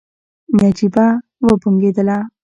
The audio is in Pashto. نجيبه وبنګېدله.